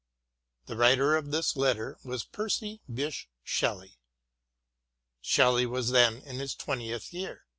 The writer of this letter was Percy Bysshe Shelley. Shelley was then in his twentieth year.